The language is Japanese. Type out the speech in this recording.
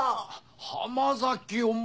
浜崎お前！